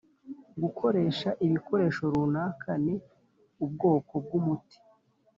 gukoresha ibikoresho runaka ni ubwoko bw'umuti.